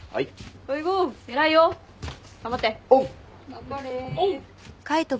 頑張れ。